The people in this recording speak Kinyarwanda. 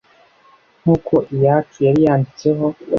nk’uko iyacu yari yanditseho.